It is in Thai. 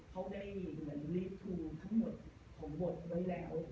เขาได้เหมือนลิฟทูลทั้งหมดของบทไว้แล้ว